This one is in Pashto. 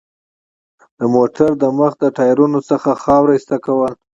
د موټر د مخ له ټایرونو څخه خاوره ایسته کول.